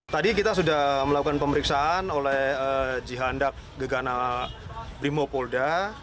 tadi kita sudah melakukan pemeriksaan oleh jihandak gegana brimopolda